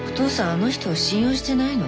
あの人を信用してないの？